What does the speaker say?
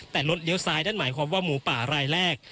แต่รถเลี้ยวซ้ายนั่นหมายความว่าหมูป่ารายแรก